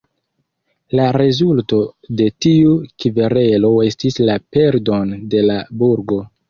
La rezulto de tiu kverelo estis la perdon de la burgo.